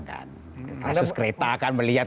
kasus kereta akan melihat